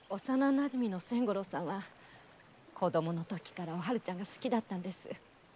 幼なじみの千五郎さんは昔からおはるちゃんが好きだったんです。